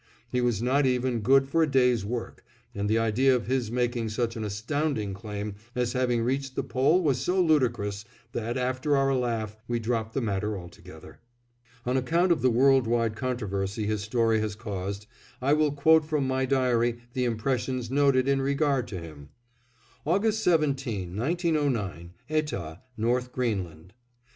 He was not even good for a day's work, and the idea of his making such an astounding claim as having reached the Pole was so ludicrous that, after our laugh, we dropped the matter altogether. On account of the world wide controversy his story has caused, I will quote from my diary the impressions noted in regard to him: "August 17, 1909, Etah, North Greenland. "Mr.